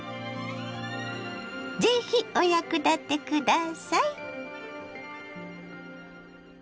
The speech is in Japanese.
是非お役立て下さい。